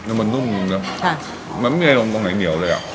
มันนุ่มเลยนะค่ะมันไม่มีอะไรลงตรงไหนเหนียวเลยอ่ะค่ะ